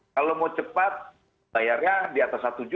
kalau mau cepat bayarnya di atas rp satu